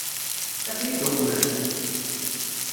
Ad ten-id-uqment?